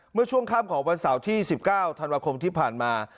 เมื่อช่วงค่ำของวันเสาร์ที่๑๙ธันวาคมที่ผ่านมา